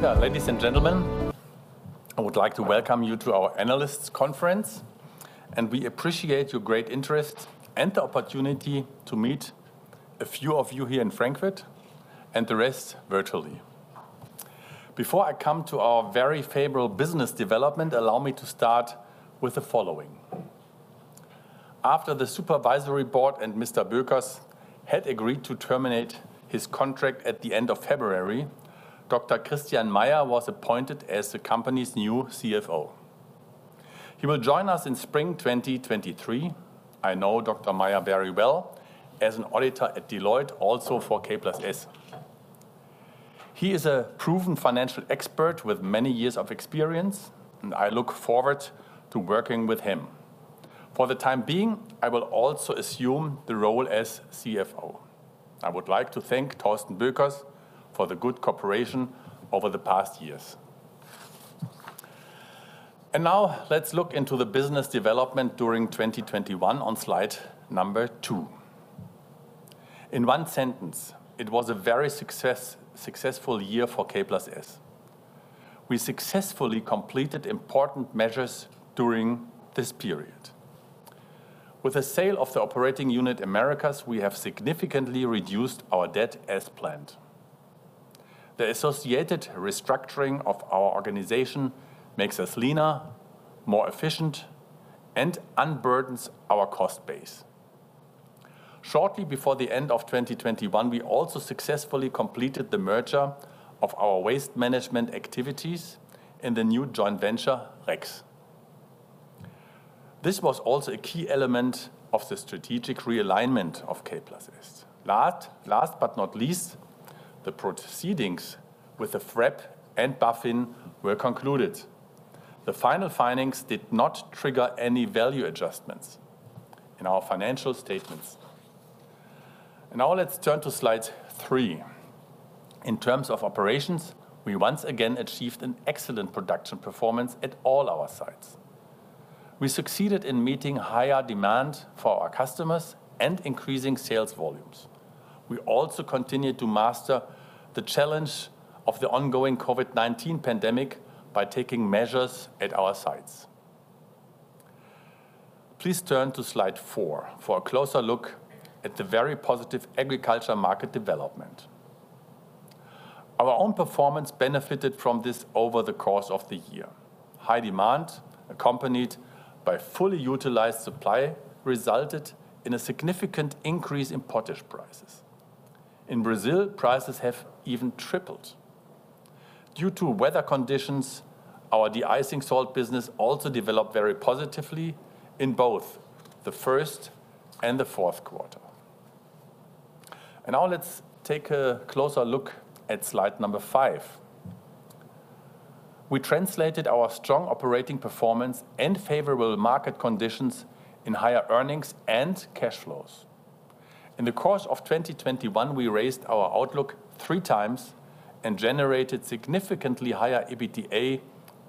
Ladies and gentlemen, I would like to welcome you to our analysts conference, and we appreciate your great interest and the opportunity to meet a few of you here in Frankfurt and the rest virtually. Before I come to our very favorable business development, allow me to start with the following. After the supervisory board and Mr. Boeckers had agreed to terminate his contract at the end of February, Dr. Christian Meyer was appointed as the company's new CFO. He will join us in spring 2023. I know Dr. Meyer very well as an auditor at Deloitte, also for K+S. He is a proven financial expert with many years of experience, and I look forward to working with him. For the time being, I will also assume the role as CFO. I would like to thank Thorsten Boeckers for the good cooperation over the past years. Now let's look into the business development during 2021 on slide two. In one sentence, it was a very successful year for K+S. We successfully completed important measures during this period. With the sale of the operating unit Americas, we have significantly reduced our debt as planned. The associated restructuring of our organization makes us leaner, more efficient, and unburdens our cost base. Shortly before the end of 2021, we also successfully completed the merger of our waste management activities in the new joint venture, REKS. This was also a key element of the strategic realignment of K+S. Last but not least, the proceedings with the FREP and BaFin were concluded. The final findings did not trigger any value adjustments in our financial statements. Now let's turn to slide three. In terms of operations, we once again achieved an excellent production performance at all our sites. We succeeded in meeting higher demand for our customers and increasing sales volumes. We also continued to master the challenge of the ongoing COVID-19 pandemic by taking measures at our sites. Please turn to slide four for a closer look at the very positive agriculture market development. Our own performance benefited from this over the course of the year. High demand, accompanied by fully utilized supply, resulted in a significant increase in potash prices. In Brazil, prices have even tripled. Due to weather conditions, our de-icing salt business also developed very positively in both the first and the fourth quarter. Now let's take a closer look at slide number five. We translated our strong operating performance and favorable market conditions into higher earnings and cash flows. In the course of 2021, we raised our outlook three times and generated significantly higher EBITDA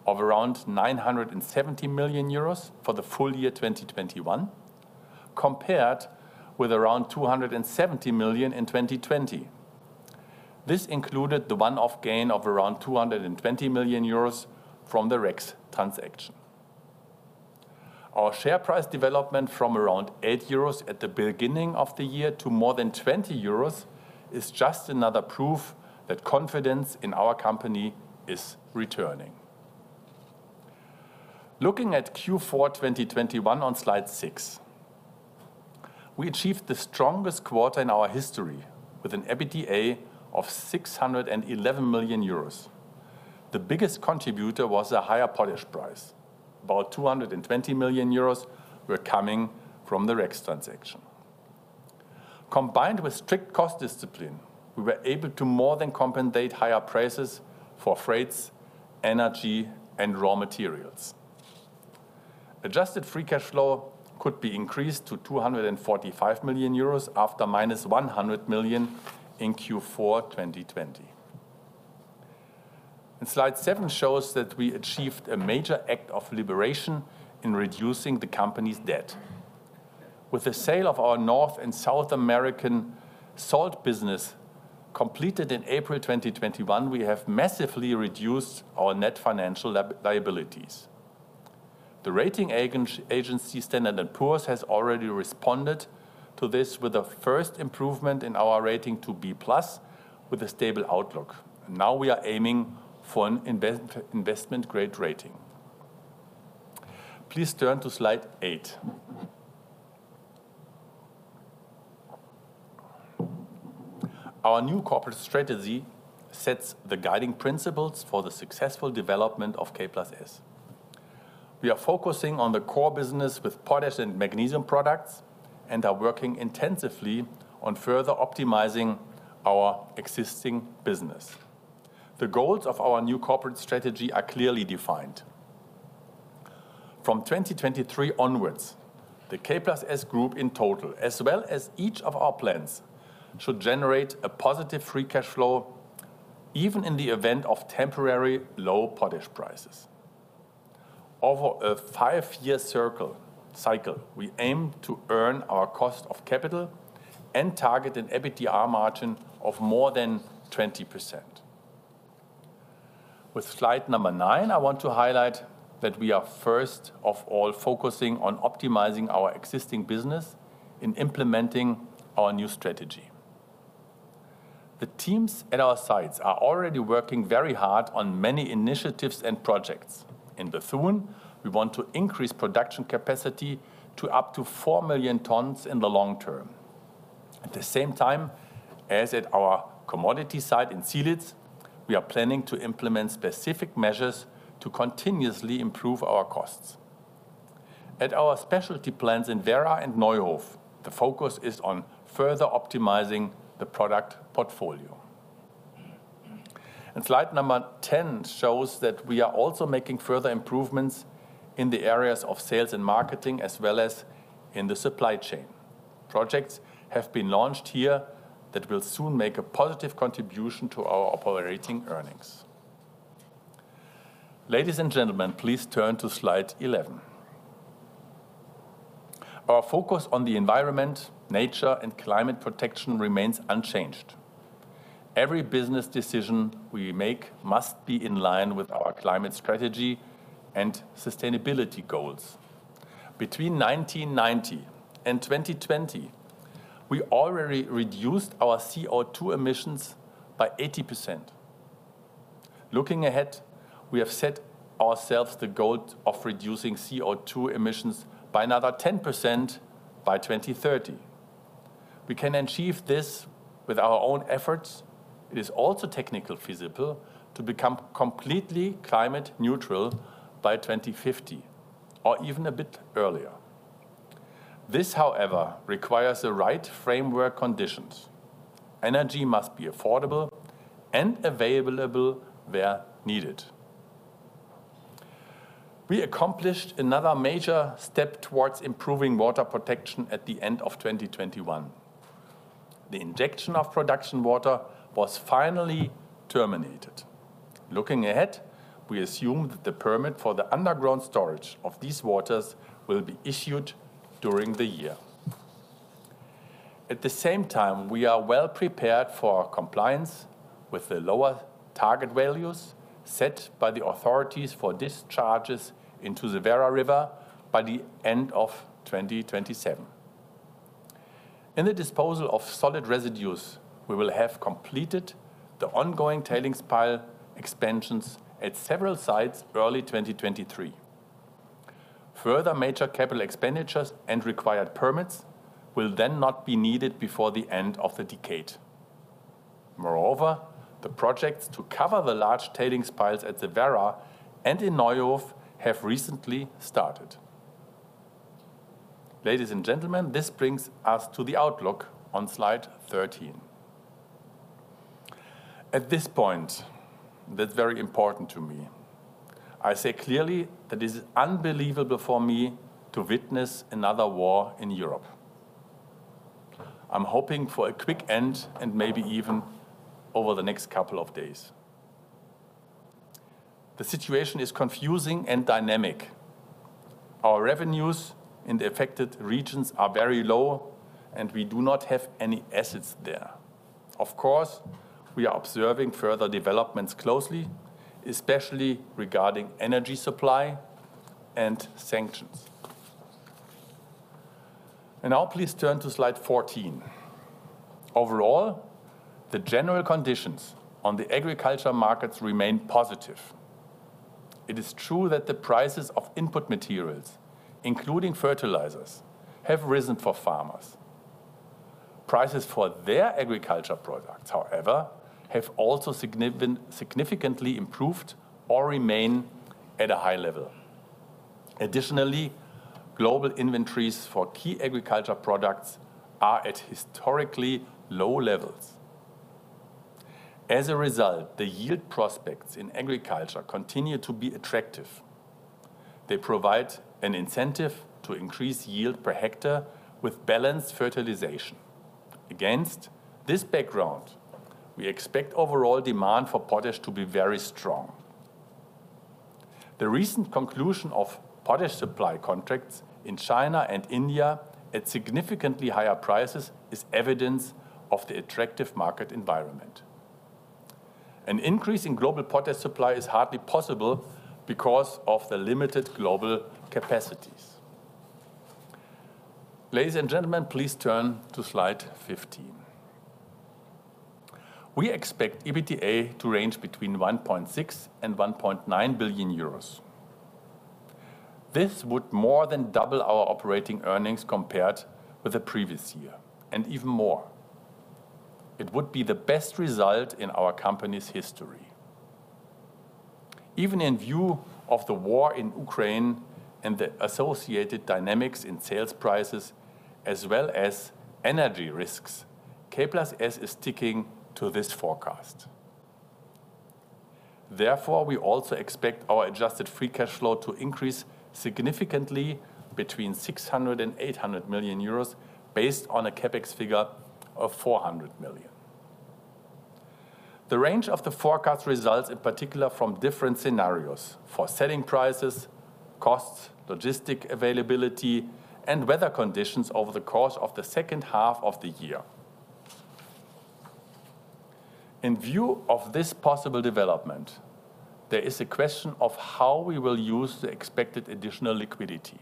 of around 970 million euros for the full year 2021, compared with around 270 million in 2020. This included the one-off gain of around 220 million euros from the REKS transaction. Our share price development from around 8 euros at the beginning of the year to more than 20 euros is just another proof that confidence in our company is returning. Looking at Q4 2021 on slide six, we achieved the strongest quarter in our history with an EBITDA of 611 million euros. The biggest contributor was the higher potash price. About 220 million euros were coming from the REKS transaction. Combined with strict cost discipline, we were able to more than compensate higher prices for freight, energy, and raw materials. Adjusted free cash flow could be increased to 245 million euros from minus 100 million in Q4 2020. Slide seven shows that we achieved a major act of deleveraging in reducing the company's debt. With the sale of our North and South American salt business completed in April 2021, we have massively reduced our net financial debt liabilities. The rating agency Standard & Poor's has already responded to this with the first improvement in our rating to B+ with a stable outlook. Now we are aiming for an investment-grade rating. Please turn to slide eight. Our new corporate strategy sets the guiding principles for the successful development of K+S. We are focusing on the core business with potash and magnesium products and are working intensively on further optimizing our existing business. The goals of our new corporate strategy are clearly defined. From 2023 onwards, the K+S group in total, as well as each of our plants, should generate a positive free cash flow even in the event of temporary low potash prices. Over a five-year cycle, we aim to earn our cost of capital and target an EBITDA margin of more than 20%. With slide number nine, I want to highlight that we are first of all focusing on optimizing our existing business in implementing our new strategy. The teams at our sites are already working very hard on many initiatives and projects. In Bethune, we want to increase production capacity to up to 4 million tons in the long term. At the same time, as at our commodity site in Zielitz, we are planning to implement specific measures to continuously improve our costs. At our specialty plants in Werra and Neuhof, the focus is on further optimizing the product portfolio. Slide number 10 shows that we are also making further improvements in the areas of sales and marketing, as well as in the supply chain. Projects have been launched here that will soon make a positive contribution to our operating earnings. Ladies and gentlemen, please turn to slide 11. Our focus on the environment, nature, and climate protection remains unchanged. Every business decision we make must be in line with our climate strategy and sustainability goals. Between 1990 and 2020, we already reduced our CO2 emissions by 80%. Looking ahead, we have set ourselves the goal of reducing CO2 emissions by another 10% by 2030. We can achieve this with our own efforts. It is also technically feasible to become completely climate neutral by 2050, or even a bit earlier. This, however, requires the right framework conditions. Energy must be affordable and available where needed. We accomplished another major step towards improving water protection at the end of 2021. The injection of production water was finally terminated. Looking ahead, we assume that the permit for the underground storage of these waters will be issued during the year. At the same time, we are well prepared for compliance with the lower target values set by the authorities for discharges into the Werra River by the end of 2027. In the disposal of solid residues, we will have completed the ongoing tailings pile expansions at several sites early 2023. Further major capital expenditures and required permits will then not be needed before the end of the decade. Moreover, the projects to cover the large tailings piles at the Werra and in Neuhof have recently started. Ladies and gentlemen, this brings us to the outlook on slide 13. At this point, that's very important to me. I say clearly that it is unbelievable for me to witness another war in Europe. I'm hoping for a quick end and maybe even over the next couple of days. The situation is confusing and dynamic. Our revenues in the affected regions are very low, and we do not have any assets there. Of course, we are observing further developments closely, especially regarding energy supply and sanctions. Now please turn to slide 14. Overall, the general conditions on the agricultural markets remain positive. It is true that the prices of input materials, including fertilizers, have risen for farmers. Prices for their agricultural products, however, have also significantly improved or remain at a high level. Global inventories for key agricultural products are at historically low levels. As a result, the yield prospects in agriculture continue to be attractive. They provide an incentive to increase yield per hectare with balanced fertilization. Against this background, we expect overall demand for potash to be very strong. The recent conclusion of potash supply contracts in China and India at significantly higher prices is evidence of the attractive market environment. An increase in global potash supply is hardly possible because of the limited global capacities. Ladies and gentlemen, please turn to slide 15. We expect EBITDA to range between 1.6 billion and 1.9 billion euros. This would more than double our operating earnings compared with the previous year, and even more. It would be the best result in our company's history. Even in view of the war in Ukraine and the associated dynamics in sales prices as well as energy risks, K+S is sticking to this forecast. Therefore, we also expect our adjusted free cash flow to increase significantly between 600 million euros and 800 million euros based on a CapEx figure of 400 million. The range of the forecast results in particular from different scenarios for selling prices, costs, logistic availability, and weather conditions over the course of the second half of the year. In view of this possible development, there is a question of how we will use the expected additional liquidity.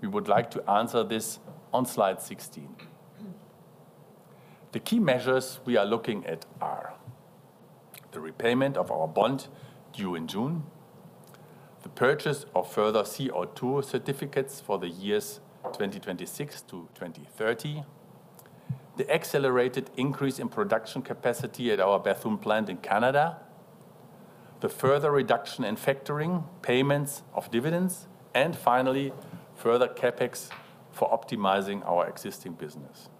We would like to answer this on slide 16. The key measures we are looking at are the repayment of our bond due in June, the purchase of further CO2 certificates for the years 2026-2030, the accelerated increase in production capacity at our Bethune plant in Canada, the further reduction in factoring, payments of dividends, and finally, further CapEx for optimizing our existing business.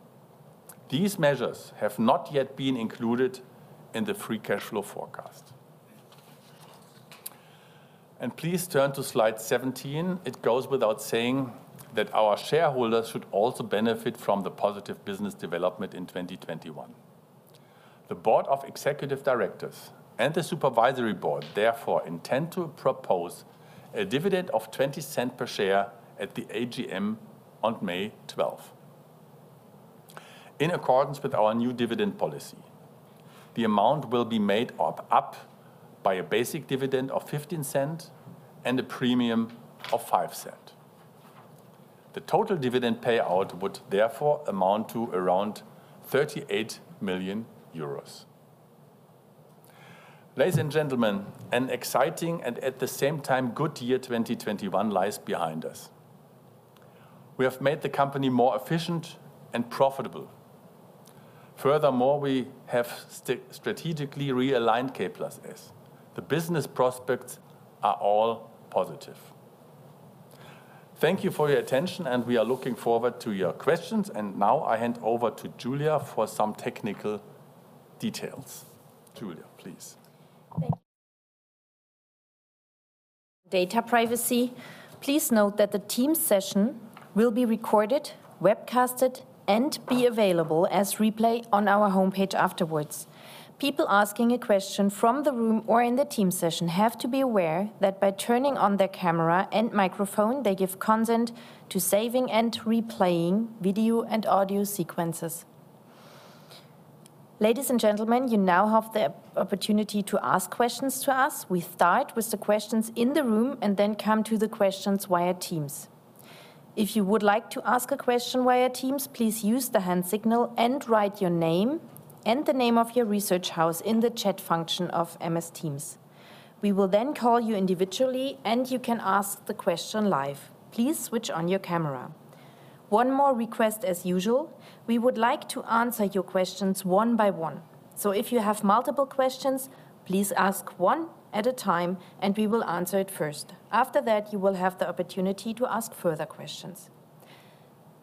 These measures have not yet been included in the free cash flow forecast. Please turn to Slide 17. It goes without saying that our shareholders should also benefit from the positive business development in 2021. The Board of Executive Directors and the Supervisory Board therefore intend to propose a dividend of 0.20 per share at the AGM on May 12. In accordance with our new dividend policy, the amount will be made up by a basic dividend of 0.15 and a premium of 0.05. The total dividend payout would therefore amount to around 38 million euros. Ladies and gentlemen, an exciting and at the same time good year 2021 lies behind us. We have made the company more efficient and profitable. Furthermore, we have strategically realigned K+S. The business prospects are all positive. Thank you for your attention, and we are looking forward to your questions, and now I hand over to Julia for some technical details. Julia, please. Thank you. Data privacy. Please note that the Teams session will be recorded, webcasted, and be available as replay on our homepage afterwards. People asking a question from the room or in the Teams session have to be aware that by turning on their camera and microphone, they give consent to saving and replaying video and audio sequences. Ladies and gentlemen, you now have the opportunity to ask questions to us. We start with the questions in the room and then come to the questions via Teams. If you would like to ask a question via Teams, please use the hand signal and write your name and the name of your research house in the chat function of MS Teams. We will then call you individually, and you can ask the question live. Please switch on your camera. One more request as usual. We would like to answer your questions one by one, so if you have multiple questions, please ask one at a time, and we will answer it first. After that, you will have the opportunity to ask further questions.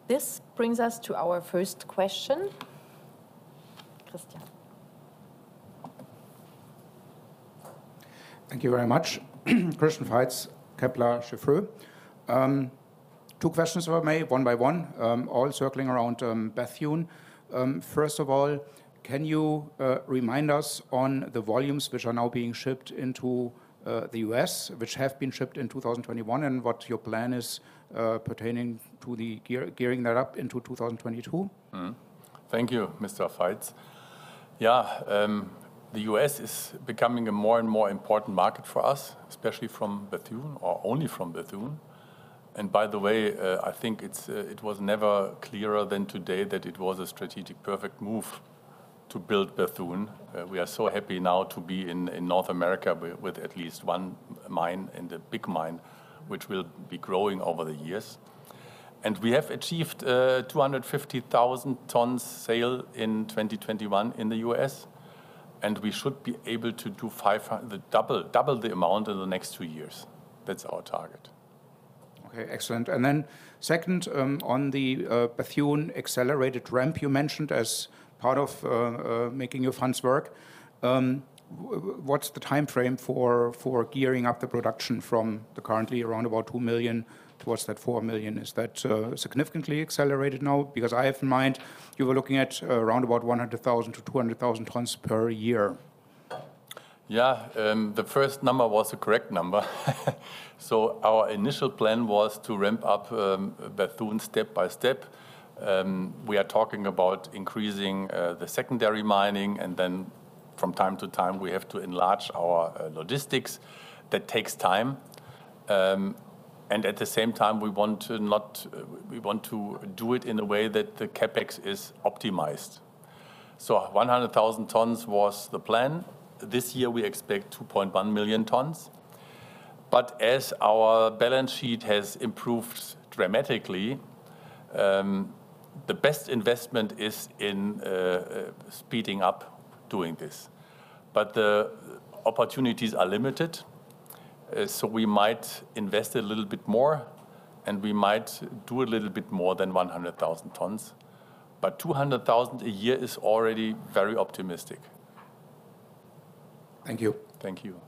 This brings us to our first question. Christian. Thank you very much. Christian Faitz, Kepler Cheuvreux. Two questions if I may, one by one, all circling around Bethune. First of all, can you remind us on the volumes which are now being shipped into the U.S., which have been shipped in 2021, and what your plan is pertaining to gearing that up into 2022? Thank you, Mr. Faitz. Yeah, the U.S. is becoming a more and more important market for us, especially from Bethune or only from Bethune, and by the way, I think it's it was never clearer than today that it was a strategic perfect move to build Bethune. We are so happy now to be in North America with at least one mine, and a big mine, which will be growing over the years. We have achieved 250,000 tons sale in 2021 in the U.S., and we should be able to do 500. The double the amount in the next two years. That's our target. Okay. Excellent. Then second, on the Bethune accelerated ramp you mentioned as part of making your funds work, what's the timeframe for gearing up the production from the currently around about 2 million towards that 4 million? Is that significantly accelerated now? Because I have in mind you were looking at around about 100,000-200,000 tons per year. Yeah, the first number was the correct number. Our initial plan was to ramp up Bethune step by step. We are talking about increasing the secondary mining, and then from time to time, we have to enlarge our logistics. That takes time. At the same time, we want to do it in a way that the CapEx is optimized. 100,000 tons was the plan. This year we expect 2.1 million tons. As our balance sheet has improved dramatically, the best investment is in speeding up doing this. The opportunities are limited, so we might invest a little bit more, and we might do a little bit more than 100,000 tons. 200,000 a year is already very optimistic. Thank you. Thank you.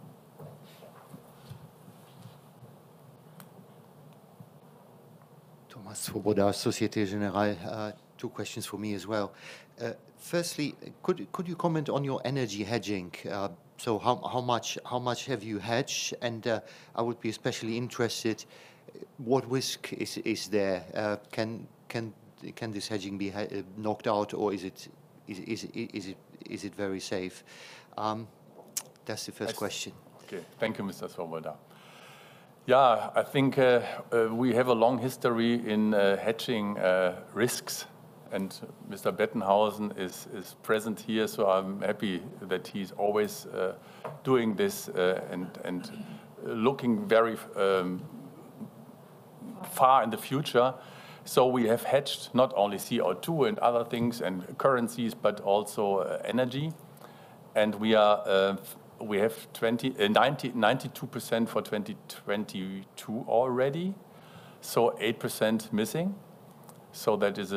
Thomas Swoboda, Société Générale. Two questions from me as well. Firstly, could you comment on your energy hedging? So how much have you hedged? I would be especially interested what risk is there? Can this hedging be knocked out, or is it very safe? That's the first question. Thank you, Mr. Swoboda. Yeah, I think we have a long history in hedging risks, and Mr. Bettenhausen is present here, so I'm happy that he's always doing this and looking very far in the future. We have hedged not only CO2 and other things and currencies, but also energy. We have 90%-92% for 2022 already, so 8% missing. That is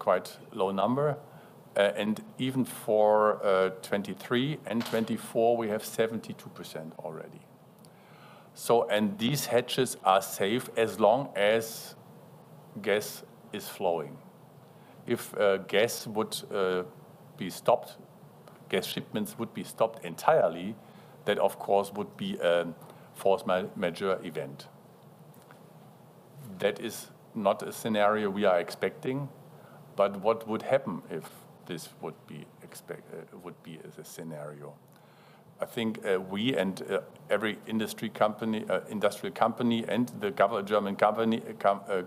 a quite low number. Even for 2023 and 2024, we have 72% already. These hedges are safe as long as gas is flowing. If gas would be stopped, gas shipments would be stopped entirely, that of course would be a force majeure event. That is not a scenario we are expecting, but what would happen if this would be the scenario? I think we and every industrial company and the German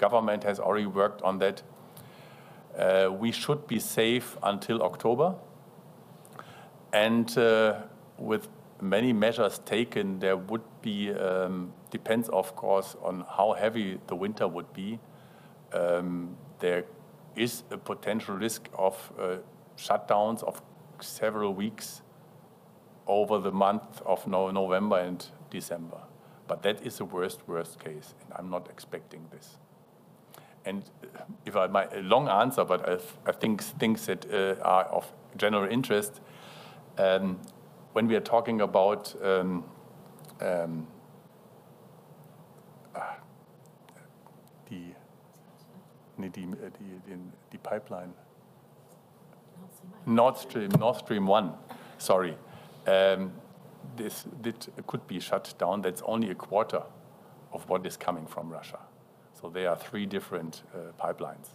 government has already worked on that. We should be safe until October. With many measures taken, there would be, depends, of course, on how heavy the winter would be. There is a potential risk of shutdowns of several weeks over the month of November and December. That is the worst case, and I'm not expecting this. If I might a long answer, but I think things that are of general interest when we are talking about the pipeline. Nord Stream? Nord Stream. Nord Stream 1. Sorry. This, it could be shut down. That's only a quarter of what is coming from Russia. There are three different pipelines,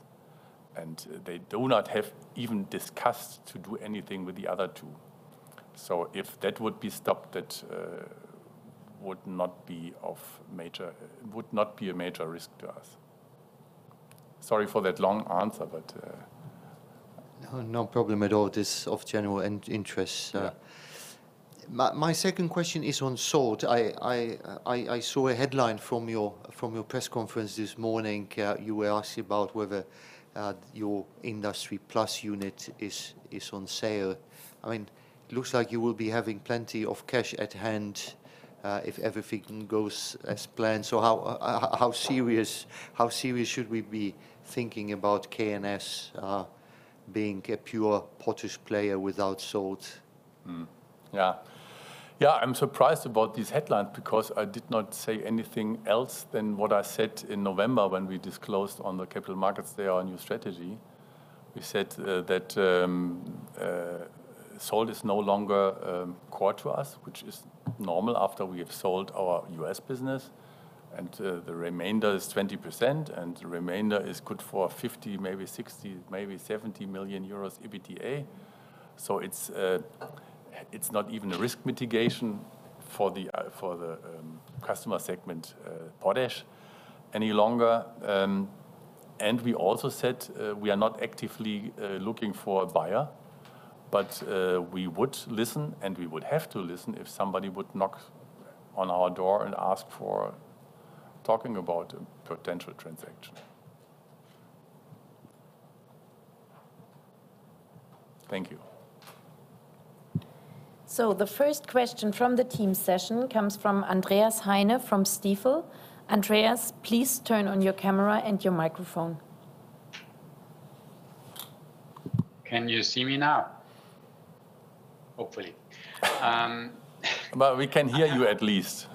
and they have not even discussed to do anything with the other two. If that would be stopped, that would not be a major risk to us. Sorry for that long answer, but. No, no problem at all. This is of general interest. Yeah. My second question is on salt. I saw a headline from your press conference this morning. You were asked about whether your Industry+ unit is on sale. I mean, looks like you will be having plenty of cash at hand if everything goes as planned. How serious should we be thinking about K+S being a pure potash player without salt? I'm surprised about this headline, because I did not say anything else than what I said in November when we disclosed on the Capital Markets Day our new strategy. We said that salt is no longer a core to us, which is normal after we have sold our U.S. business. The remainder is 20%, and the remainder is good for 50 million, maybe 60 million, maybe 70 million euros EBITDA. It's not even a risk mitigation for the customer segment potash any longer. We also said we are not actively looking for a buyer. We would listen, and we would have to listen if somebody would knock on our door and ask for talking about a potential transaction. Thank you. The first question from the team session comes from Andreas Heine from Stifel. Andreas, please turn on your camera and your microphone. Can you see me now? Hopefully. Well, we can hear you at least.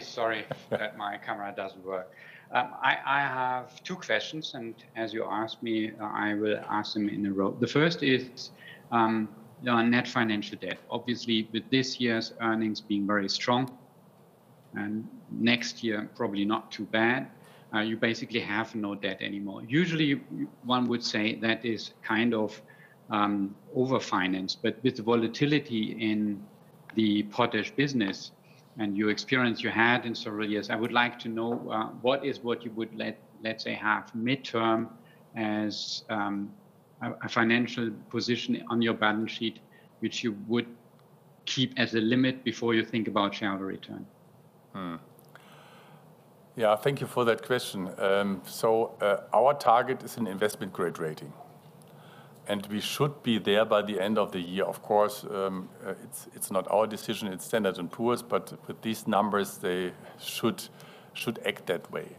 Sorry that my camera doesn't work. I have two questions, and as you asked me, I will ask them in a row. The first is on net financial debt. Obviously, with this year's earnings being very strong, and next year probably not too bad, you basically have no debt anymore. Usually, one would say that is kind of over-financed. With the volatility in the potash business and your experience you had in several years, I would like to know what you would like to have mid-term as a financial position on your balance sheet, which you would keep as a limit before you think about shareholder return? Yeah. Thank you for that question. Our target is an investment-grade rating, and we should be there by the end of the year. Of course, it's not our decision, it's Standard & Poor's, but these numbers, they should act that way.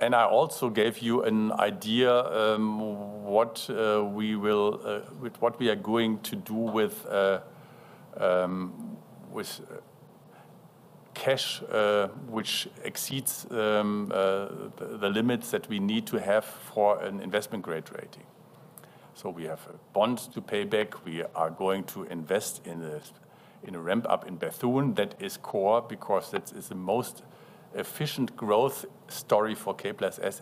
I also gave you an idea what we are going to do with cash which exceeds the limits that we need to have for an investment-grade rating. We have bonds to pay back. We are going to invest in a ramp up in Bethune. That is core because that is the most efficient growth story for K+S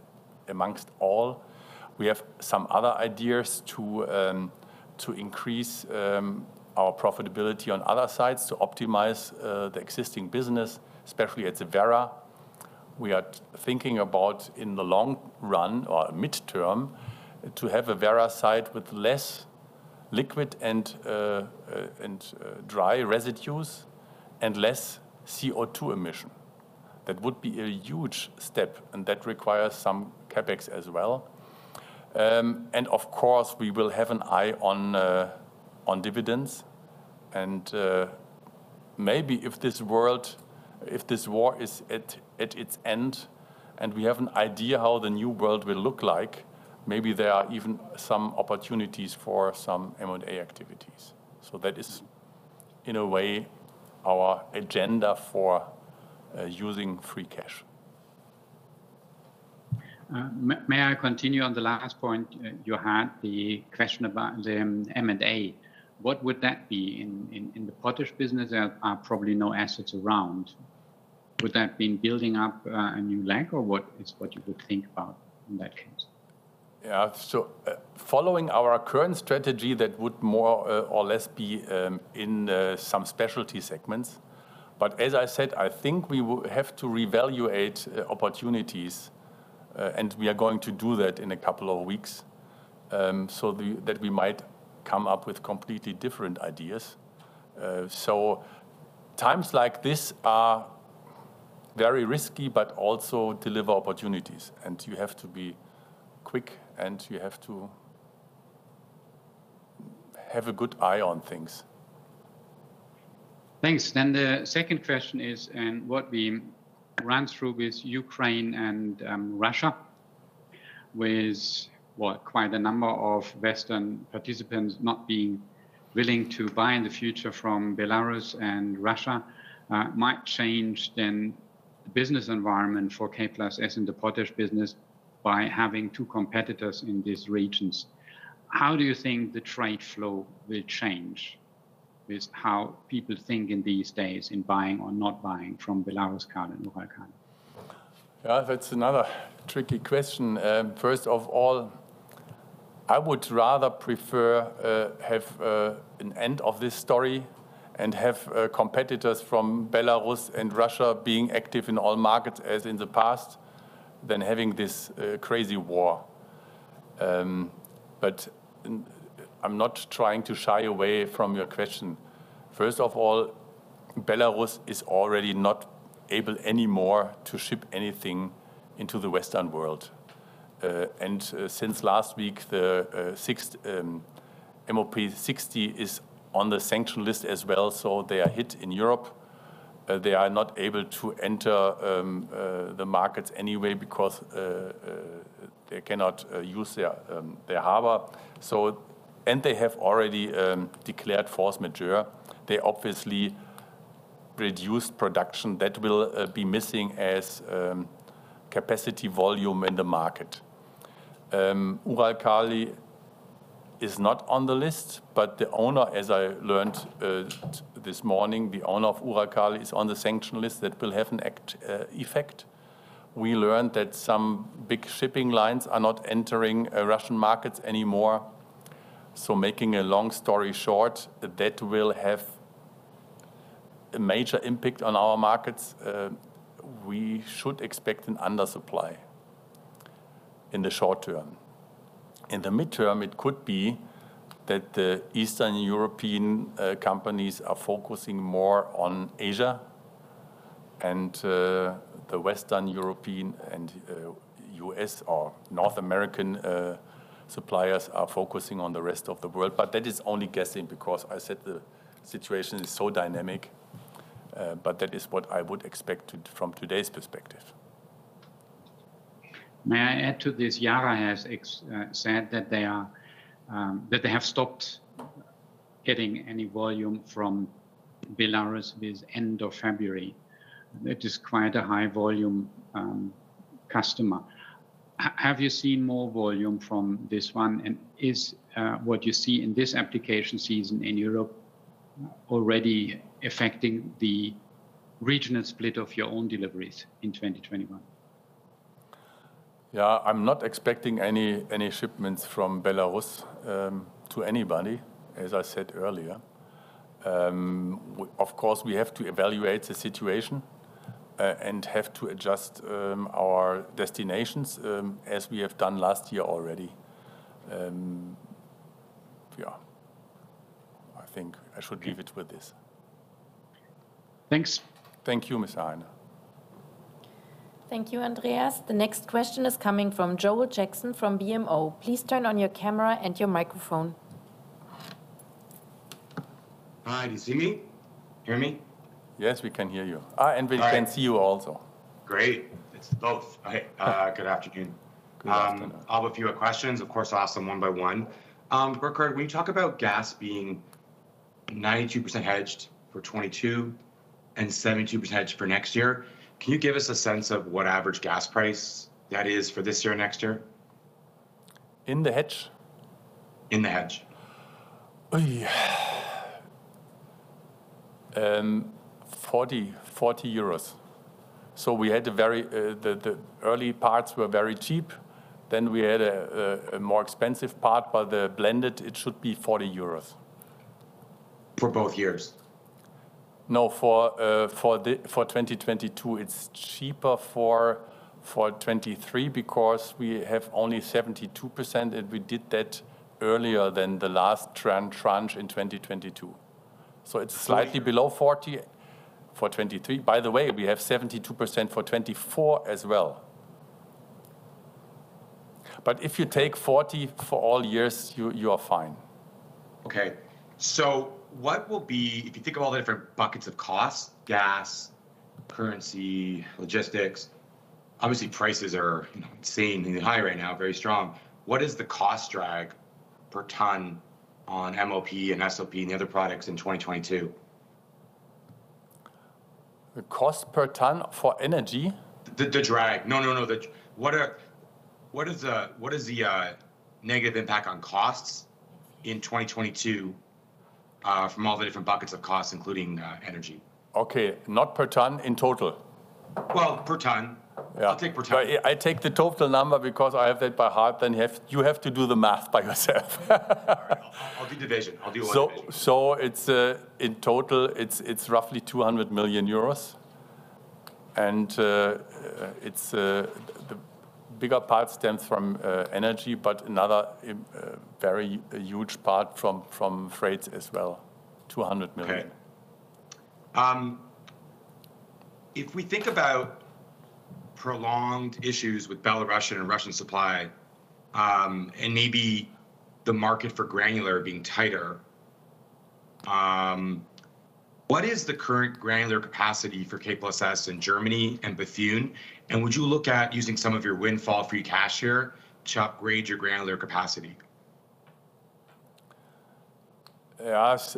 amongst all. We have some other ideas to increase our profitability on other sides, to optimize the existing business, especially at Werra. We are thinking about, in the long run or midterm, to have a Werra site with less liquid and dry residues and less CO2 emission. That would be a huge step, and that requires some CapEx as well. Of course, we will have an eye on dividends and maybe if this world, if this war is at its end and we have an idea how the new world will look like, maybe there are even some opportunities for some M&A activities. That is, in a way, our agenda for using free cash. May I continue on the last point you had, the question about the M&A. What would that be? In the potash business, there are probably no assets around. Would that been building up a new lake or what you would think about in that case? Yeah. Following our current strategy, that would more or less be in some specialty segments. As I said, I think we have to reevaluate opportunities. We are going to do that in a couple of weeks, so that we might come up with completely different ideas. Times like this are very risky, but also deliver opportunities, and you have to be quick, and you have to have a good eye on things. Thanks. The second question is, what we run through with Ukraine and Russia, quite a number of Western participants not being willing to buy in the future from Belarus and Russia, might change the business environment for K+S in the potash business by having two competitors in these regions. How do you think the trade flow will change with how people think in these days in buying or not buying from Belaruskali and Uralkali? Yeah, that's another tricky question. First of all, I would rather have an end of this story and have competitors from Belarus and Russia being active in all markets as in the past, than having this crazy war. I'm not trying to shy away from your question. First of all, Belarus is already not able anymore to ship anything into the Western world. Since last week, the sixth MOP 60 is on the sanctions list as well, so they are hit in Europe. They are not able to enter the markets anyway because they cannot use their harbor. They have already declared force majeure. They obviously reduced production that will be missing as capacity volume in the market. Uralkali is not on the list, but the owner, as I learned, this morning, the owner of Uralkali is on the sanction list. That will have an effect. We learned that some big shipping lines are not entering Russian markets anymore. Making a long story short, that will have a major impact on our markets. We should expect an undersupply in the short term. In the midterm, it could be that the Eastern European companies are focusing more on Asia and the Western European and U.S. or North American suppliers are focusing on the rest of the world. That is only guessing because I said the situation is so dynamic. That is what I would expect it from today's perspective. May I add to this? Yara has said that they have stopped getting any volume from Belarus with end of February. That is quite a high volume customer. Have you seen more volume from this one? Is what you see in this application season in Europe already affecting the regional split of your own deliveries in 2021? Yeah. I'm not expecting any shipments from Belarus to anybody, as I said earlier. Of course, we have to evaluate the situation and have to adjust our destinations, as we have done last year already. Yeah. I think I should leave it with this. Thanks. Thank you, Mr. Heine. Thank you, Andreas. The next question is coming from Joel Jackson from BMO. Please turn on your camera and your microphone. Hi. Do you see me? Hear me? Yes, we can hear you. All right. We can see you also. Great. It's both. Good afternoon. I have a few questions. Of course, I'll ask them one by one. Burkhard, when you talk about gas being 92% hedged for 2022 and 72% hedged for next year, can you give us a sense of what average gas price that is for this year or next year? In the hedge? In the hedge. Oh, yeah. 40. We had a very, the early parts were very cheap. We had a more expensive part, but the blended, it should be 40 euros. For both years? No, for 2022. It's cheaper for 2023 because we have only 72%, and we did that earlier than the last tranche in 2022. So are you- It's slightly below 40% for 2023. By the way, we have 72% for 2024 as well. If you take 40% for all years, you are fine. Okay. If you think of all the different buckets of cost, gas, currency, logistics, obviously prices are, you know, insanely high right now, very strong. What is the cost drag per ton on MOP and SOP and the other products in 2022? The cost per ton for energy? What is the negative impact on costs in 2022 from all the different buckets of costs including energy? Okay. Not per ton, in total? Well, per ton. Yeah. I'll take per ton. I take the total number because I have that by heart. You have to do the math by yourself. All right. I'll do division. I'll do one division. In total it's roughly 200 million euros. It's the bigger part stems from energy, but another very huge part from freight as well. 200 million. Okay. If we think about prolonged issues with Belarusian and Russian supply, and maybe the market for granular being tighter, what is the current granular capacity for K+S in Germany and Bethune? Would you look at using some of your windfall-free cash here to upgrade your granular capacity? Yes.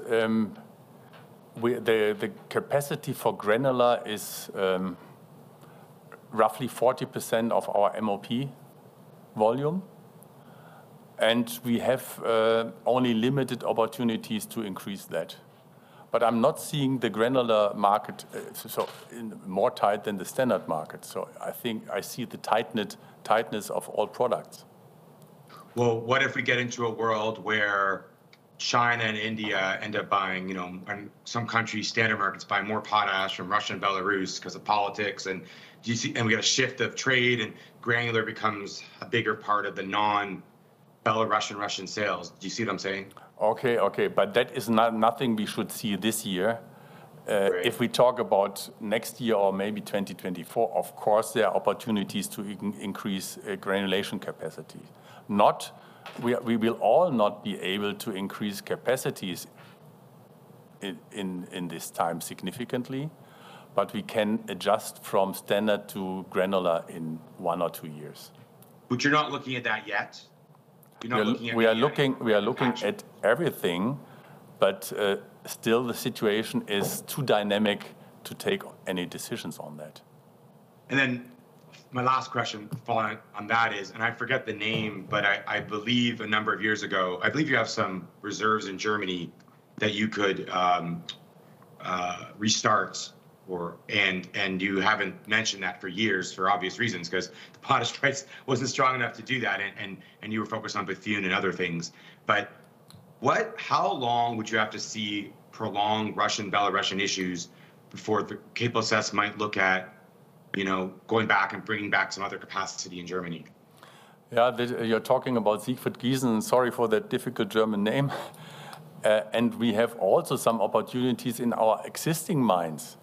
The capacity for granular is roughly 40% of our MOP volume, and we have only limited opportunities to increase that. I'm not seeing the granular market, so it's not more tight than the standard market. I think I see the tightness of all products. Well, what if we get into a world where China and India end up buying, you know, and some countries, standard markets, buy more potash from Russia and Belarus 'cause of politics and do you see and we got a shift of trade and granular becomes a bigger part of the non-Belarusian, Russian sales. Do you see what I'm saying? Okay, okay. That is nothing we should see this year. Right. If we talk about next year or maybe 2024, of course, there are opportunities to increase granulation capacity. We will all not be able to increase capacities in this time significantly, but we can adjust from standard to granular in one or two years. You're not looking at that yet? You're not looking at it yet? We are looking The capacity... we are looking at everything, but still the situation is too dynamic to take any decisions on that. Then my last question following on that is, I forget the name, but I believe a number of years ago, I believe you have some reserves in Germany that you could restart or you haven't mentioned that for years, for obvious reasons, 'cause the potash price wasn't strong enough to do that and you were focused on Bethune and other things. But how long would you have to see prolonged Russian, Belarusian issues before the K+S might look at, you know, going back and bringing back some other capacity in Germany? Yeah. You're talking about Siegfried-Giesen. Sorry for that difficult German name. We have also some opportunities in our existing mines,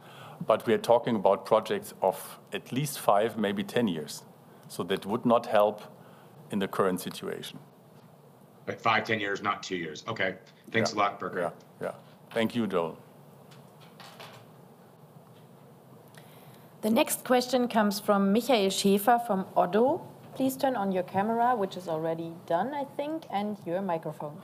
but we are talking about projects of at least five, maybe 10 years. That would not help in the current situation. Like five, 10 years, not two years. Okay. Yeah. Thanks a lot, Burkhard. Yeah, yeah. Thank you, Joel. The next question comes from Michael Schaefer from ODDO. Please turn on your camera, which is already done, I think, and your microphone.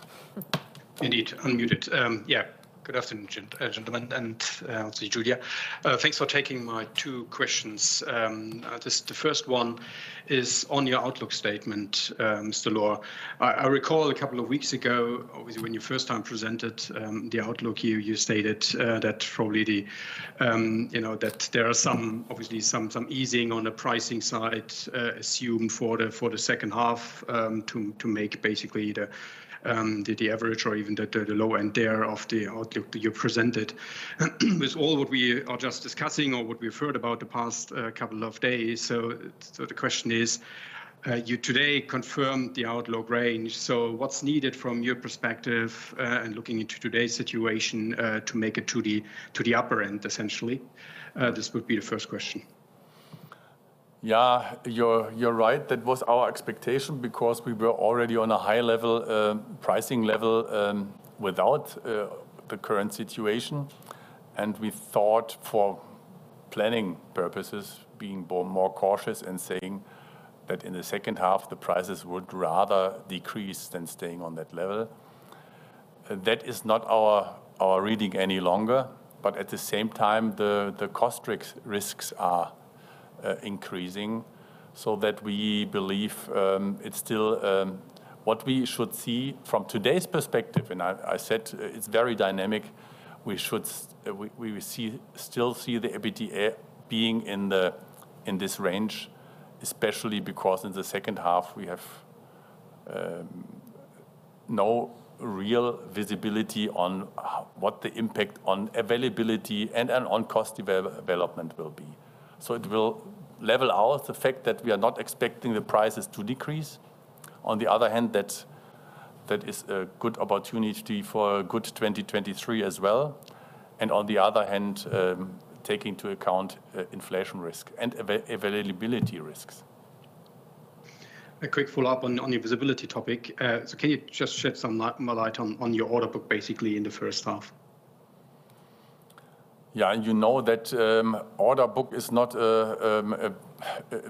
Yeah. Good afternoon, gentlemen, and also Julia. Thanks for taking my two questions. The first one is on your outlook statement, Mr. Lohr. I recall a couple of weeks ago, obviously when you first time presented the outlook, you stated that probably you know that there are some easing on the pricing side assumed for the second half to make basically the average or even the low end there of the outlook that you presented. With all what we are just discussing or what we've heard about the past couple of days, so the question is you today confirmed the outlook range. What's needed from your perspective, and looking into today's situation, to make it to the upper end, essentially? This would be the first question. You're right. That was our expectation because we were already on a high pricing level without the current situation. We thought for planning purposes being more cautious and saying that in the second half, the prices would rather decrease than staying on that level. That is not our reading any longer, but at the same time, the cost risks are increasing so that we believe it's still what we should see from today's perspective, and I said it's very dynamic. We still see the EBITDA being in this range, especially because in the second half we have no real visibility on what the impact on availability and on cost availability will be. It will level out the fact that we are not expecting the prices to decrease, on the other hand, that is a good opportunity for a good 2023 as well, and on the other hand, take into account inflation risk and availability risks. A quick follow-up on the visibility topic. Can you just shed some more light on your order book basically in the first half? Yeah. You know that order book is not a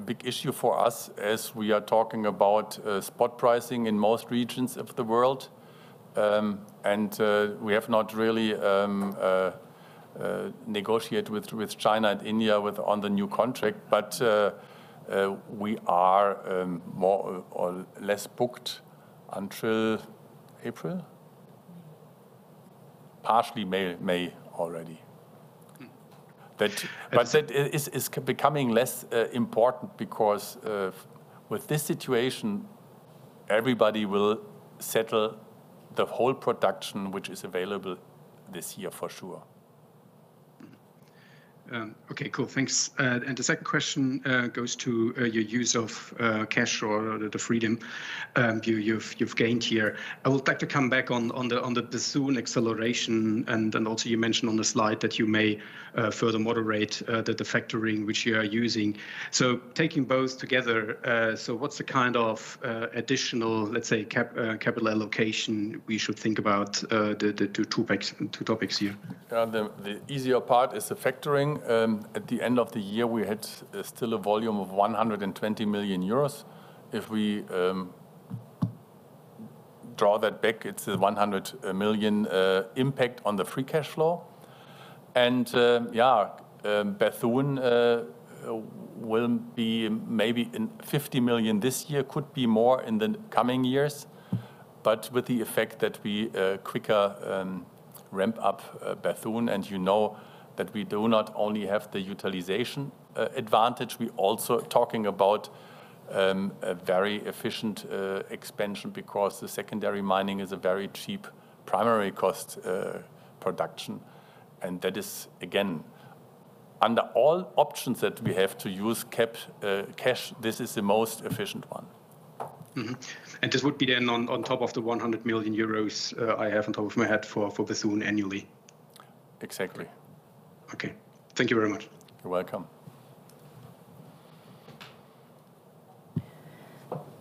big issue for us as we are talking about spot pricing in most regions of the world. We have not really negotiate with China and India on the new contract. We are more or less booked until April? Mm-hmm. May already. Mm. That- And- That is becoming less important because with this situation, everybody will settle the whole production which is available this year for sure. Okay. Cool. Thanks. The second question goes to your use of cash or the freedom you've gained here. I would like to come back on the Bethune acceleration and also you mentioned on the slide that you may further moderate the factoring which you are using. Taking both together, what's the kind of additional, let's say, capital allocation we should think about, the two topics here? The easier part is the factoring. At the end of the year, we had still a volume of 120 million euros. If we draw that back, it's a 100 million impact on the free cash flow. Yeah, Bethune will be maybe in 50 million this year. Could be more in the coming years, but with the effect that we quicker ramp up Bethune. You know that we do not only have the utilization advantage, we also are talking about a very efficient expansion because the secondary mining is a very cheap primary cost production. That is, again, under all options that we have to use CapEx, this is the most efficient one. Mm-hmm. This would be then on top of the 100 million euros I have off the top of my head for Bethune annually? Exactly. Okay. Thank you very much. You're welcome.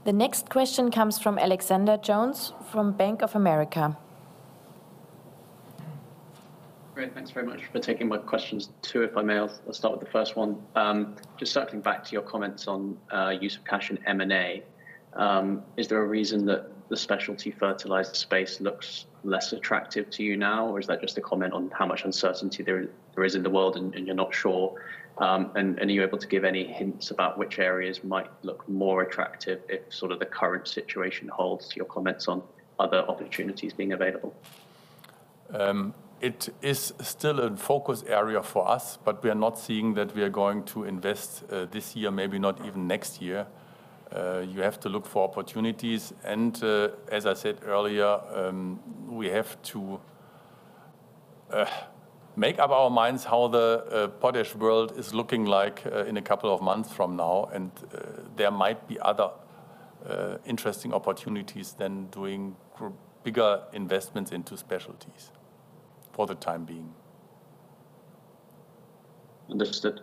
The next question comes from Alexander Jones from Bank of America. Great. Thanks very much for taking my questions. Two, if I may. I'll start with the first one. Just circling back to your comments on use of cash in M&A, is there a reason that the specialty fertilizer space looks less attractive to you now, or is that just a comment on how much uncertainty there is in the world and you're not sure? And are you able to give any hints about which areas might look more attractive if sort of the current situation holds to your comments on other opportunities being available? It is still a focus area for us, but we are not seeing that we are going to invest this year, maybe not even next year. You have to look for opportunities and, as I said earlier, we have to make up our minds how the potash world is looking like in a couple of months from now. There might be other interesting opportunities than doing bigger investments into specialties for the time being. Understood.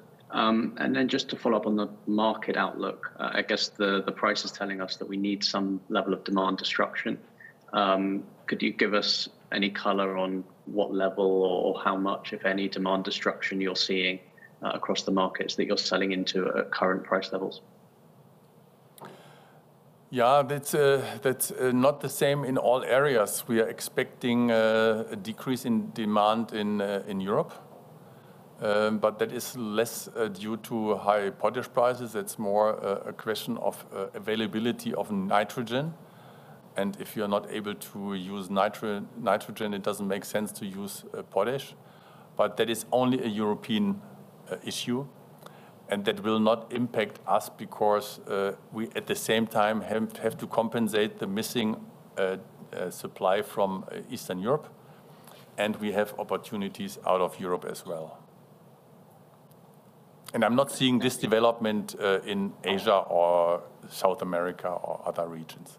Just to follow up on the market outlook, I guess the price is telling us that we need some level of demand destruction. Could you give us any color on what level or how much, if any, demand destruction you're seeing across the markets that you're selling into at current price levels? Yeah. That's not the same in all areas. We are expecting a decrease in demand in Europe. That is less due to high potash prices. It's more a question of availability of nitrogen. If you're not able to use nitrogen, it doesn't make sense to use potash. That is only a European issue, and that will not impact us because we at the same time have to compensate the missing supply from Eastern Europe, and we have opportunities out of Europe as well. I'm not seeing this development in Asia or South America or other regions.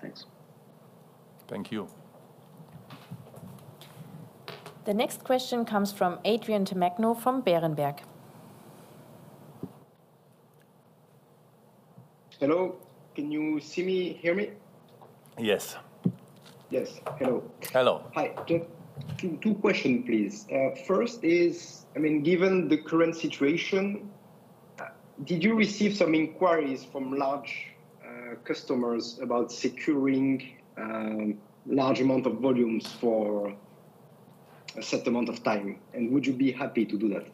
Thanks. Thank you. The next question comes from Adrien Tamagno from Berenberg. Hello. Can you see me, hear me? Yes. Yes. Hello. Hello. Hi. Two questions, please. First is, I mean, given the current situation, did you receive some inquiries from large customers about securing large amount of volumes for a set amount of time, and would you be happy to do that?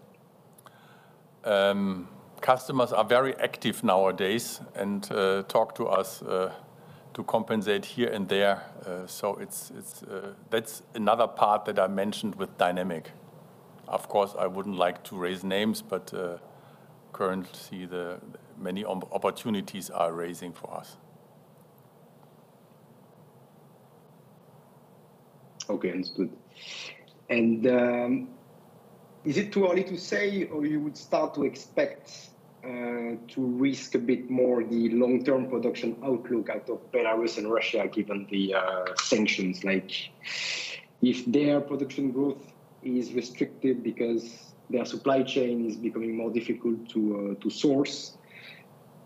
Customers are very active nowadays and talk to us to compensate here and there. It's another part that I mentioned with dynamics. Of course, I wouldn't like to raise names, but currently the many opportunities are arising for us. Okay, understood. Is it too early to say or you would start to expect to risk a bit more the long-term production outlook out of Belarus and Russia given the sanctions? Like, if their production growth is restricted because their supply chain is becoming more difficult to source?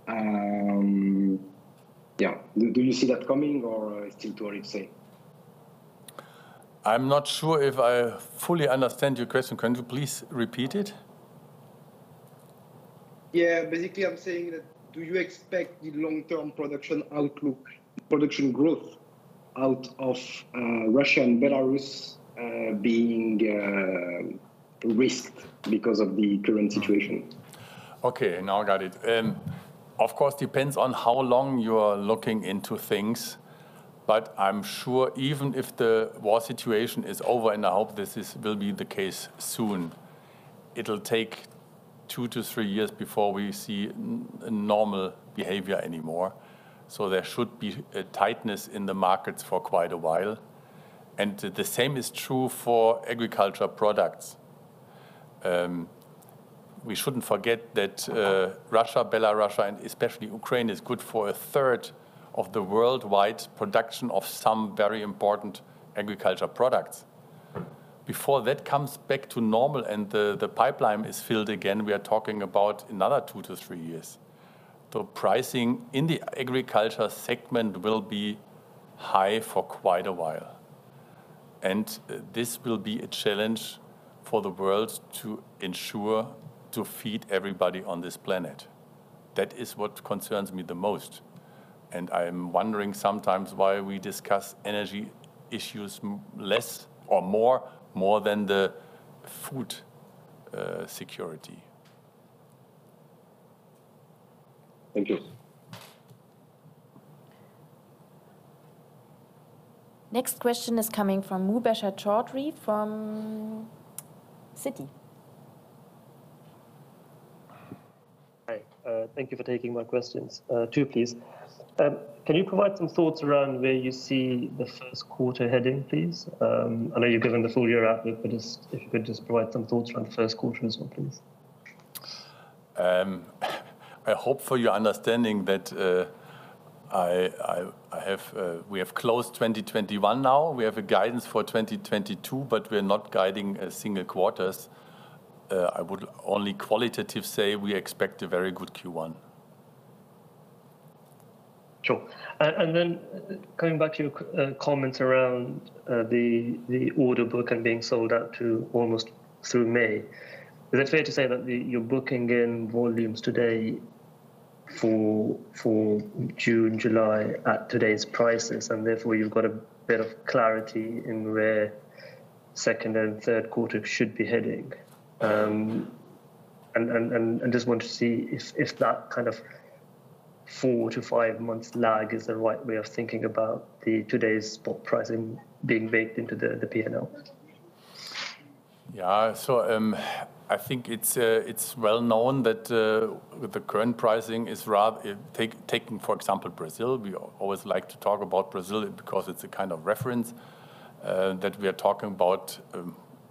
Yeah, do you see that coming or still too early to say? I'm not sure if I fully understand your question. Can you please repeat it? Yeah. Basically, I'm saying that do you expect the long-term production outlook, production growth out of Russia and Belarus being risked because of the current situation? Okay, now I got it. Of course, it depends on how long you are looking into things. I'm sure even if the war situation is over, and I hope this will be the case soon, it'll take two-three years before we see normal behavior anymore. There should be a tightness in the markets for quite a while, and the same is true for agriculture products. We shouldn't forget that Russia, Belarus, and especially Ukraine, is good for a third of the worldwide production of some very important agriculture products. Before that comes back to normal and the pipeline is filled again, we are talking about anothertwo-three years. The pricing in the agriculture segment will be high for quite a while, and this will be a challenge for the world to ensure to feed everybody on this planet. That is what concerns me the most, and I am wondering sometimes why we discuss energy issues more than the food security. Thank you. Next question is coming from Mubasher Chaudhry from Citi. Hi. Thank you for taking my questions. Two, please. Can you provide some thoughts around where you see the first quarter heading, please? I know you've given the full-year outlook, but just if you could provide some thoughts around the first quarter as well, please? I hope for your understanding that we have closed 2021 now. We have a guidance for 2022, but we're not guiding single quarters. I would only qualitatively say we expect a very good Q1. Sure. Then coming back to your comment around the order book and being sold out almost through May. Is it fair to say that you're booking in volumes today for June-July at today's prices, and therefore you've got a bit of clarity in where second and third quarter should be heading? And just wanted to see if that kind of four to five months lag is the right way of thinking about today's spot pricing being baked into the P&L. I think it's well known that with the current pricing, taking for example Brazil, we always like to talk about Brazil because it's a kind of reference that we are talking about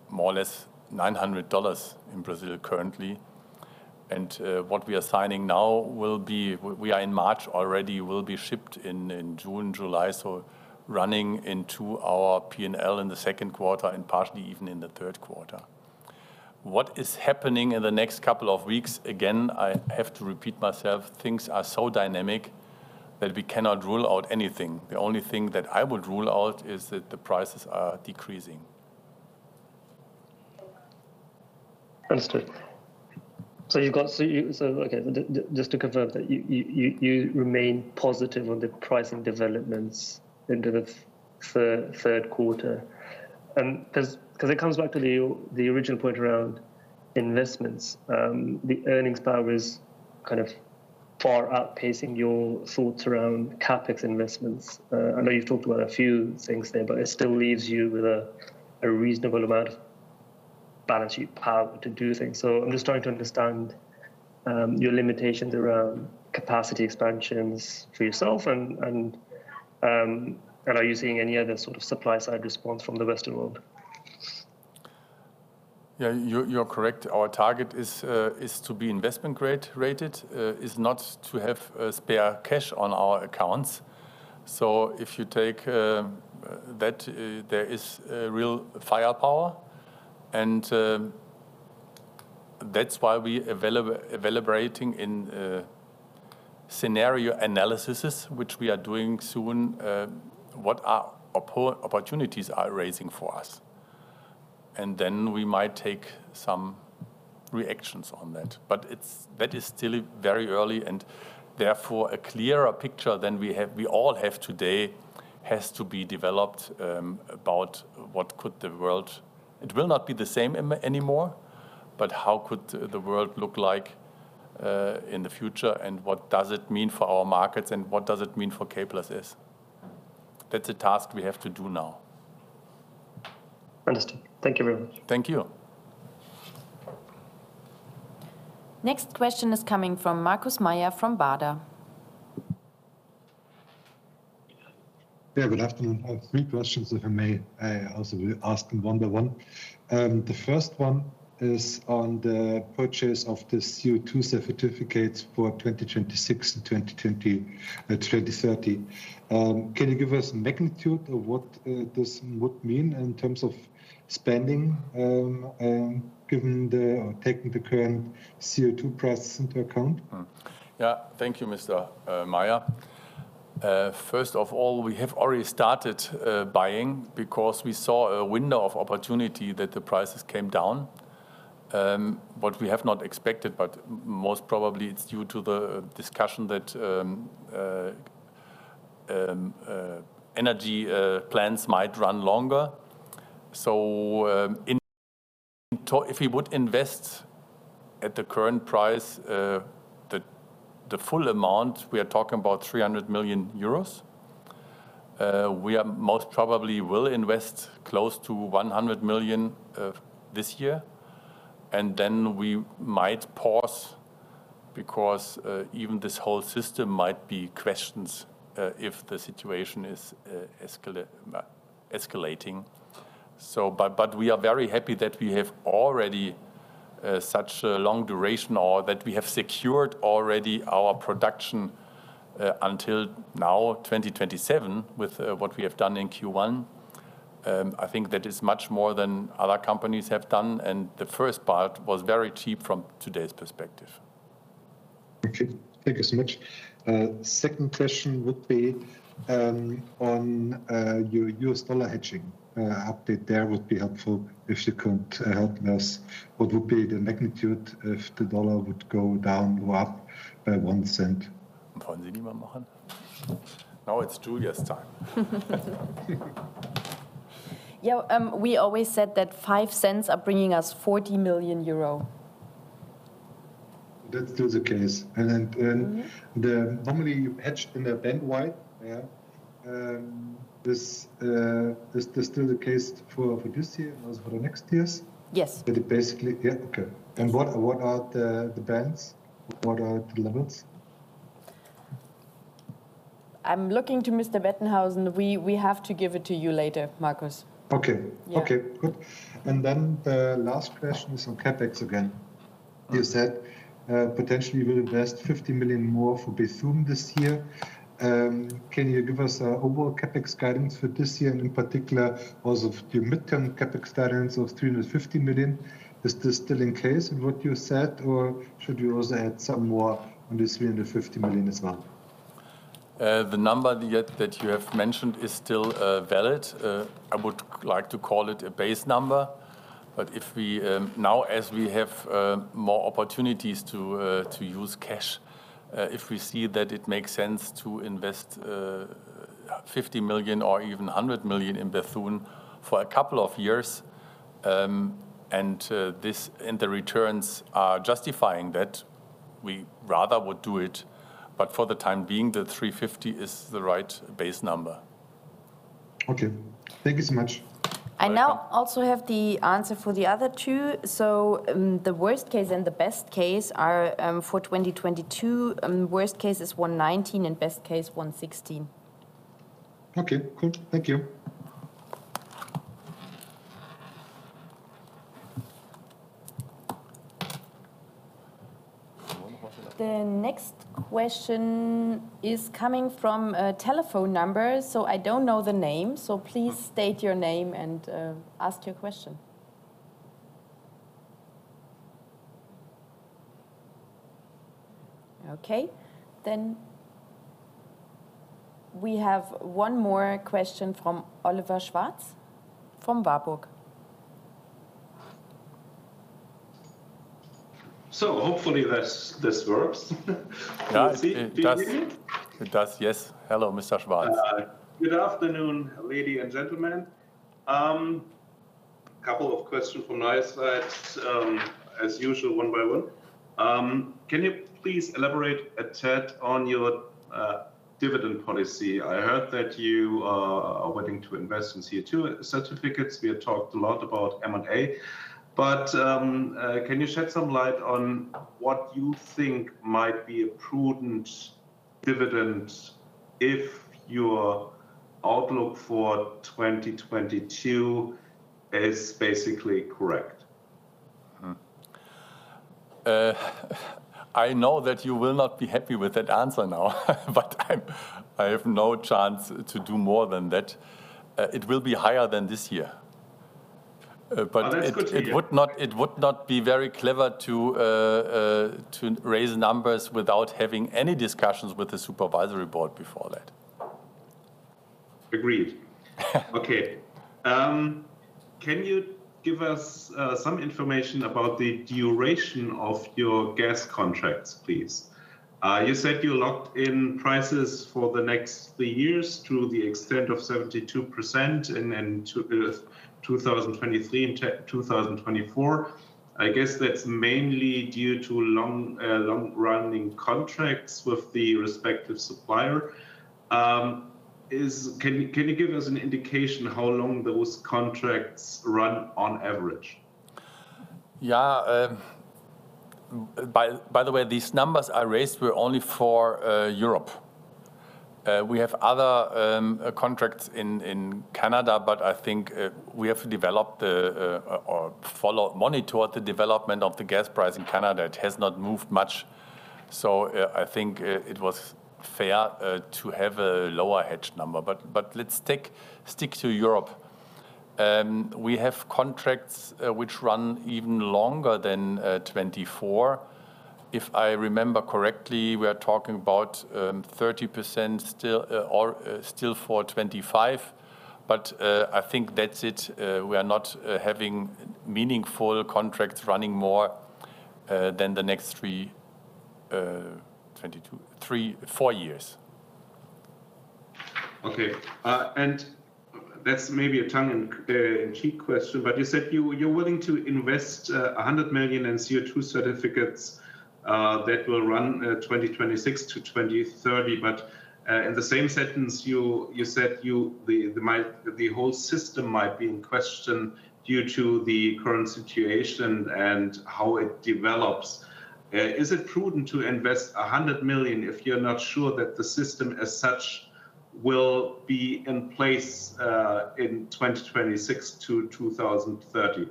more or less $900 in Brazil currently. What we are signing now will be, we are in March already, will be shipped in June-July, so running into our P&L in the second quarter and partially even in the third quarter. What is happening in the next couple of weeks, again, I have to repeat myself, things are so dynamic that we cannot rule out anything. The only thing that I would rule out is that the prices are decreasing. Understood. Okay. Just to confirm that you remain positive on the pricing developments into the third quarter. 'Cause it comes back to the original point around investments. The earnings power is kind of far outpacing your thoughts around CapEx investments. I know you've talked about a few things there, but it still leaves you with a reasonable amount of balance sheet power to do things. I'm just trying to understand your limitations around capacity expansions for yourself, and are you seeing any other sort of supply-side response from the rest of the world? Yeah, you're correct. Our target is to be investment-grade rated, is not to have spare cash on our accounts. If you take that, there is a real firepower, and that's why we are evaluating in scenario analyses, which we are doing soon, what opportunities are arising for us. Then we might take some reactions on that. It's still very early, and therefore, a clearer picture than we have, we all have today, has to be developed about what could the world look like. It will not be the same anymore, but how could the world look like in the future, and what does it mean for our markets, and what does it mean for K+S? That's a task we have to do now. Understood. Thank you very much. Thank you. Next question is coming from Markus Mayer from Baader. Yeah, good afternoon. I have three questions, if I may. I also will ask them one by one. The first one is on the purchase of the CO2 certificates for 2026-2030. Can you give us magnitude of what this would mean in terms of spending, given the, or taking the current CO2 price into account? Thank you, Mr. Mayer. First of all, we have already started buying because we saw a window of opportunity that the prices came down, what we have not expected, but most probably it's due to the discussion that energy plants might run longer. If we would invest at the current price, the full amount, we are talking about 300 million euros. We most probably will invest close to 100 million this year. Then we might pause because even this whole system might be in question if the situation is escalating. We are very happy that we have already such a long duration or that we have secured already our production until now, 2027, with what we have done in Q1. I think that is much more than other companies have done, and the first part was very cheap from today's perspective. Okay. Thank you so much. Second question would be on your U.S. dollar hedging. Update there would be helpful if you could help us. What would be the magnitude if the dollar would go down or up by $0.01? Now it's Julia's time. Yeah, we always said that $0.05 are bringing us 40 million euro. That's still the case. Mm-hmm Normally you hedge in a bandwidth, yeah? Is this still the case for this year as for the next years? Yes. What are the bands? What are the limits? I'm looking to Mr. Bettenhausen. We have to give it to you later, Markus. Okay. Yeah. Okay, good. Then the last question is on CapEx again. You said, potentially you will invest 50 million more for Bethune this year. Can you give us an overall CapEx guidance for this year, and in particular, also for the midterm CapEx guidance of 350 million? Is this still in case of what you said, or should you also add some more on this 350 million as well? The number you have mentioned is still valid. I would like to call it a base number. If we now, as we have more opportunities to use cash, if we see that it makes sense to invest 50 million or even 100 million in Bethune for a couple of years, and the returns are justifying that, we rather would do it. For the time being, the 350 million is the right base number. Okay. Thank you so much. I now also have the answer for the other two. The worst case and the best case are for 2022, worst case is 119 and best case 116. Okay, cool. Thank you. The next question is coming from a telephone number, so I don't know the name, so please state your name and ask your question. Okay, we have one more question from Oliver Schwarz from Warburg. Hopefully this works. It does. It does, yes. Hello, Mr. Schwarz. Good afternoon, ladies and gentlemen. Couple of questions from my side, as usual, one by one. Can you please elaborate a tad on your dividend policy? I heard that you are wanting to invest in CO2 certificates. We have talked a lot about M&A. Can you shed some light on what you think might be a prudent dividend if your outlook for 2022 is basically correct? I know that you will not be happy with that answer now, but I have no chance to do more than that. It will be higher than this year. It- That is good to hear. It would not be very clever to raise numbers without having any discussions with the supervisory board before that. Agreed. Okay. Can you give us some information about the duration of your gas contracts, please? You said you locked in prices for the next three years to the extent of 72% and then to the 2023 and 2024. I guess that's mainly due to long-running contracts with the respective supplier. Can you give us an indication how long those contracts run on average? Yeah. By the way, these numbers I raised were only for Europe. We have other contracts in Canada, but I think we monitor the development of the gas price in Canada. It has not moved much. I think it was fair to have a lower hedge number. Let's stick to Europe. We have contracts which run even longer than 2024. If I remember correctly, we are talking about 30% still for 2025, but I think that's it. We are not having meaningful contracts running more than the next three-four years. Okay. That's maybe a tongue-in-cheek question, but you said you're willing to invest 100 million in CO2 certificates that will run 2026-2030. In the same sentence, you said the whole system might be in question due to the current situation and how it develops. Is it prudent to invest 100 million if you're not sure that the system as such will be in place in 2026-2030?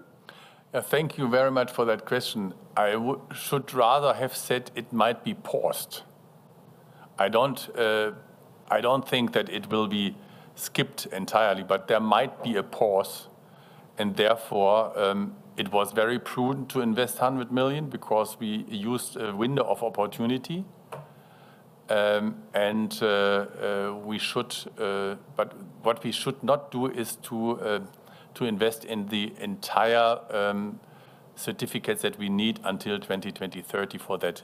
Thank you very much for that question. I should rather have said it might be paused. I don't think that it will be skipped entirely, but there might be a pause, and therefore, it was very prudent to invest 100 million because we used a window of opportunity. What we should not do is to invest in the entire certificates that we need until 2020-2030 for that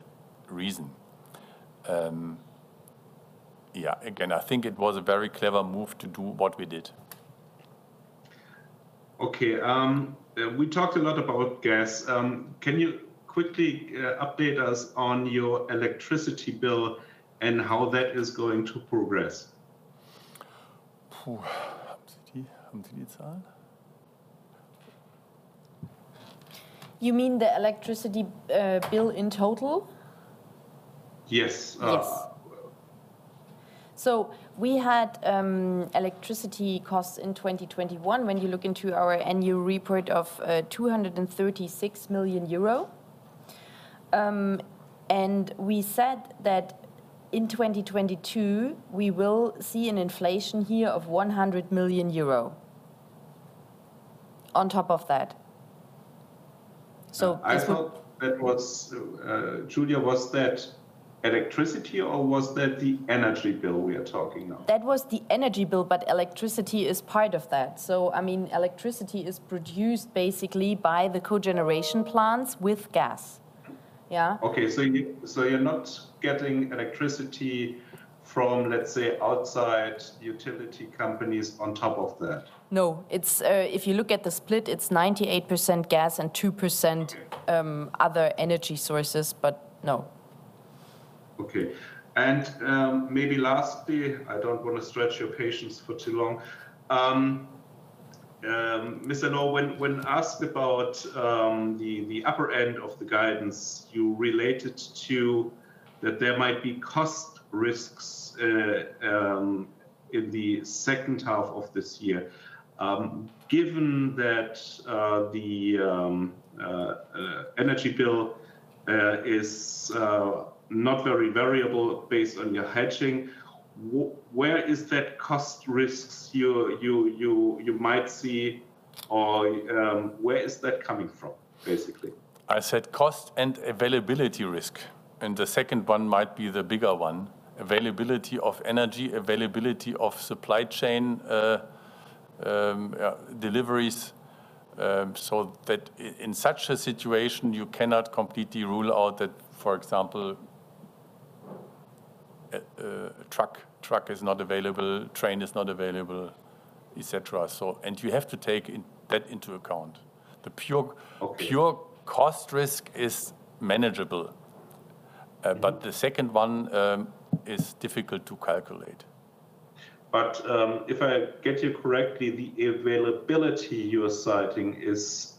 reason. Yeah, again, I think it was a very clever move to do what we did. Okay. We talked a lot about gas. Can you quickly update us on your electricity bill and how that is going to progress? You mean the electricity bill in total? Yes. Yes. We had electricity costs in 2021, when you look into our annual report, of 236 million euro. We said that in 2022, we will see an inflation here of 100 million euro on top of that. This would- I thought that was Julia. Was that electricity or was that the energy bill we are talking now? That was the energy bill, but electricity is part of that. I mean, electricity is produced basically by the cogeneration plants with gas. Yeah? Okay. You're not getting electricity from, let's say, outside utility companies on top of that? No. It's if you look at the split, it's 98% gas and 2%. Okay other energy sources, but no. Okay. Maybe lastly, I don't wanna stretch your patience for too long. Mr. Lohr, when asked about the upper end of the guidance, you related to that there might be cost risks in the second half of this year. Given that the energy bill is not very variable based on your hedging, where is that cost risks you might see or where is that coming from, basically? I said cost and availability risk, and the second one might be the bigger one. Availability of energy, availability of supply chain, deliveries, so that in such a situation you cannot completely rule out that, for example, a truck is not available, train is not available, et cetera. You have to take that into account. The pure- Okay... pure cost risk is manageable, but the second one is difficult to calculate. If I get you correctly, the availability you're citing is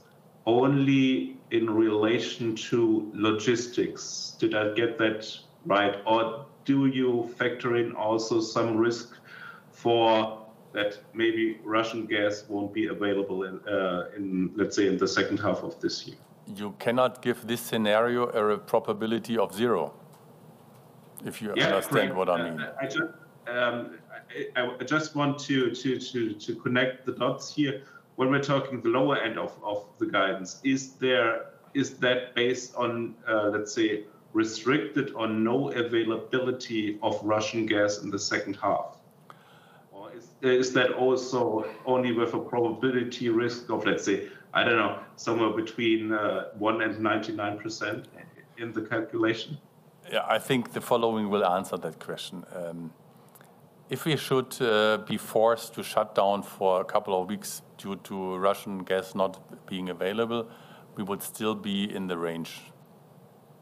only in relation to logistics. Did I get that right? Or do you factor in also some risk that maybe Russian gas won't be available in, let's say, the second half of this year. You cannot give this scenario a probability of zero, if you Yeah, great. Understand what I mean. I just want to connect the dots here. When we're talking the lower end of the guidance, is that based on, let's say, restricted or no availability of Russian gas in the second half? Or is that also only with a probability risk of, let's say, I don't know, somewhere between 1 and 99% in the calculation? Yeah, I think the following will answer that question. If we should be forced to shut down for a couple of weeks due to Russian gas not being available, we would still be in the range,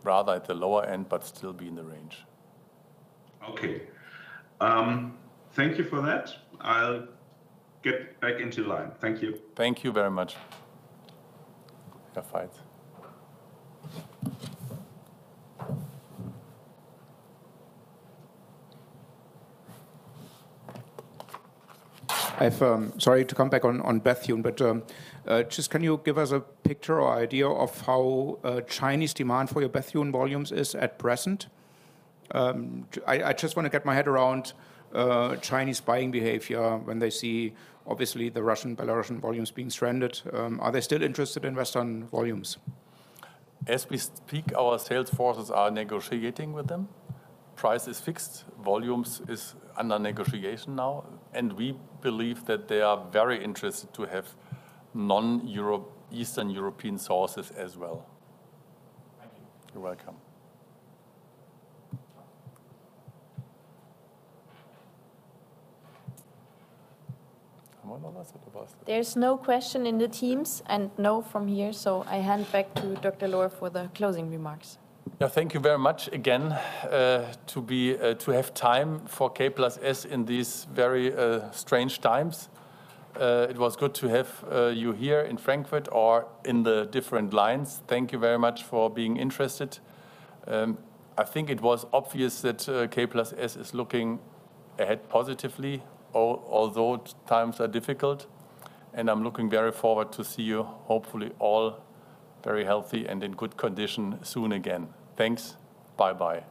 rather at the lower end, but still be in the range. Okay. Thank you for that. I'll get back into line. Thank you. Thank you very much. Herr Faitz. Sorry to come back on potash, but just can you give us a picture or idea of how Chinese demand for your potash volumes is at present? I just wanna get my head around Chinese buying behavior when they see, obviously, the Russian, Belarusian volumes being stranded. Are they still interested in Western volumes? As we speak, our sales forces are negotiating with them. Price is fixed. Volumes is under negotiation now. We believe that they are very interested to have non-Euro- Eastern European sources as well. Thank you. You're welcome. There's no question in the Teams, and no from here, so I hand back to Dr. Lohr for the closing remarks. Yeah, thank you very much again to have time for K+S in these very strange times. It was good to have you here in Frankfurt or in the different lines. Thank you very much for being interested. I think it was obvious that K+S is looking ahead positively, although times are difficult, and I'm looking very forward to see you, hopefully all very healthy and in good condition soon again. Thanks. Bye-bye.